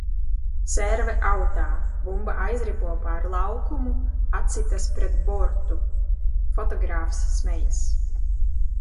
Serve autā, bumba aizripo pār laukumu, atsitas pret bortu. Fotogrāfs smejas.